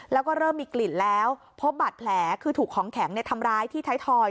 แล้วก็เริ่มมีกลิ่นแล้วพบบาดแผลคือถูกของแข็งทำร้ายที่ไทยทอย